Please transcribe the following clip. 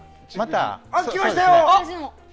あ、来ましたよ！